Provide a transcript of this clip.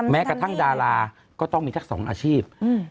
แม้กระทั่งดาราก็ต้องมีทั้งสองอาชีพ